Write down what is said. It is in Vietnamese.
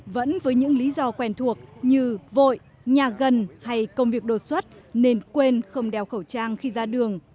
vẫn với những lý do quen thuộc như vội nhà gần hay công việc đột xuất nên quên không đeo khẩu trang khi ra đường